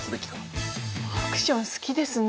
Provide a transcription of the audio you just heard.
アクション好きですね。